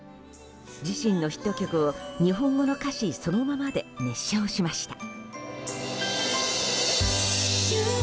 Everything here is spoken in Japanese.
自身のヒット曲を日本語の歌詞そのままで熱唱しました。